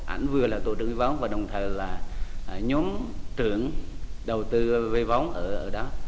anh vừa là tổ trưởng y báo và đồng thời là nhóm trưởng đầu tư vây báo ở đó